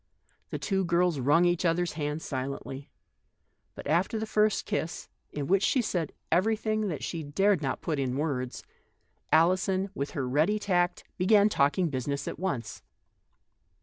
The two girls wrung each other's hands silently. But after the first kiss, in which she said everything that she dared not put in words, Alison, with her ready tact, began talking business at once.